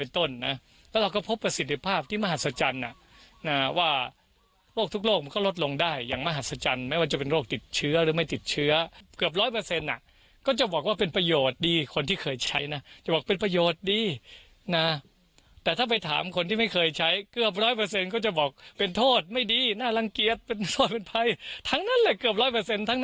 โทษไม่ดีน่ารังเกียจเป็นโทษเป็นภัยทั้งนั้นแหละเกือบร้อยเปอร์เซ็นต์ทั้งนั้นแหละ